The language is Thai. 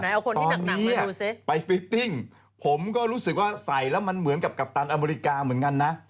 เอาคนที่ดังนี้ไปฟิตติ้งผมก็รู้สึกว่าใส่แล้วมันเหมือนกับกัปตันอเมริกาเหมือนกันนะ